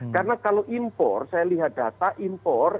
karena kalau impor saya lihat data impor